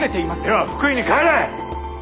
では福井に帰れ！